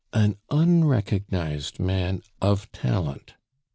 "An unrecognized man of talent.